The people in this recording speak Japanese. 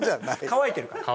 乾いてるから？